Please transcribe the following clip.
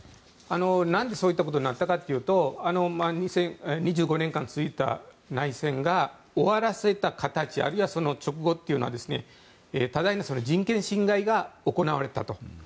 なんでそういったことになったのかというと２５年間続いた内戦が終わらせた形あるいはその直後というのは多大な人権侵害が行われたと。